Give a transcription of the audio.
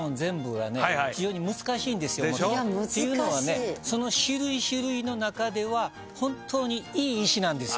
非常に難しいんですよ。っていうのはねその種類種類の中では本当にいい石なんですよ。